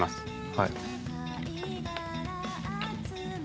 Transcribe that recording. はい。